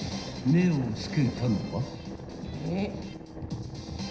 ［目を付けたのは］